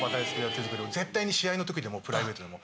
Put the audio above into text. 絶対に試合の時でもプライベートでも。